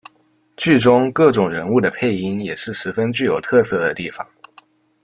剧中各种人物的配音也是十分具有特色的地方。